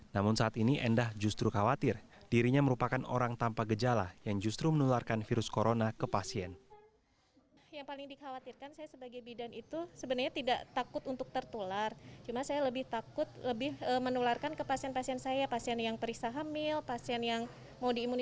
namun saat ini endah justru khawatir dirinya merupakan orang tanpa gejala yang justru menularkan virus corona ke pasien